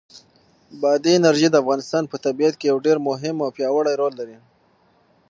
بادي انرژي د افغانستان په طبیعت کې یو ډېر مهم او پیاوړی رول لري.